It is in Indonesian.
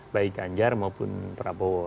baik ganjar maupun prabowo